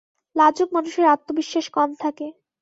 লাজুক মানুষের আত্মবিশ্বাস কম থাকে।